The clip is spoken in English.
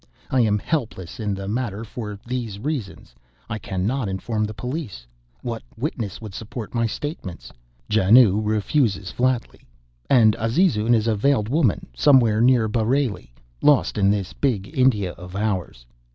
I am helpless in the matter for these reasons, I cannot inform the police. What witnesses would support my statements? Janoo refuses flatly, and Azizun is a veiled woman somewhere near Bareilly lost in this big India of ours.